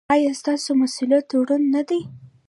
ایا ستاسو مسؤلیت دروند نه دی؟